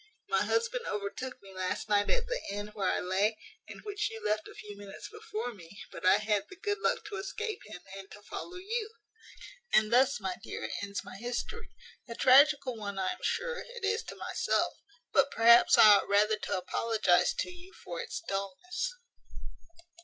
My husband overtook me last night at the inn where I lay, and which you left a few minutes before me; but I had the good luck to escape him, and to follow you. "And thus, my dear, ends my history: a tragical one, I am sure, it is to myself; but, perhaps, I ought rather to apologize to you for its dullness."